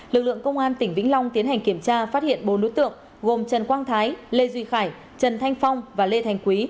lực lượng công an tỉnh vĩnh long tiến hành kiểm tra phát hiện bốn đối tượng gồm trần quang thái lê duy khải trần thanh phong và lê thành quý